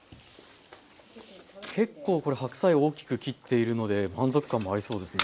結構これ白菜大きく切っているので満足感もありそうですね。